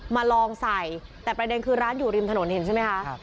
มาลองใส่แต่ประเด็นคือร้านอยู่ริมถนนเห็นใช่ไหมคะ